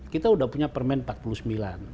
kita sudah punya permen empat puluh sembilan